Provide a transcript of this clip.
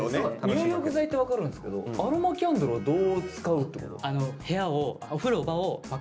入浴剤って分かるんですけどアロマキャンドルはどう使うってこと？